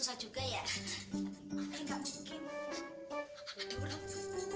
saya kagak udah tas